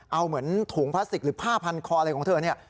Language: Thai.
เอาเหมือนถุงพลาสติกหรือผ้าพันคออะไรของเธอเนี่ย